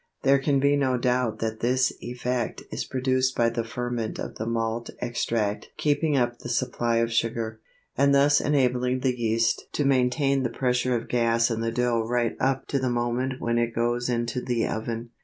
There can be no doubt that this effect is produced by the ferment of the malt extract keeping up the supply of sugar, and thus enabling the yeast to maintain the pressure of gas in the dough right up to the moment when it goes into the oven.